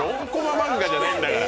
漫画じゃないんだから。